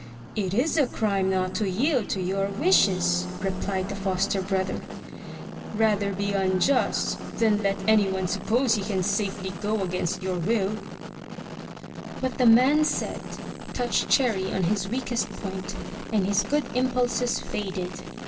"It is a crime not to yield to your wishes," replied the foster brother. "Rather be unjust, than let anyone suppose he can safely go against your will." 330 THROUGH FAIRY HALLS What the man said touched Cherry on his weakest point, and his good impulses faded.